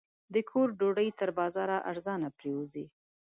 د کور ډوډۍ تر بازاره ارزانه پرېوځي.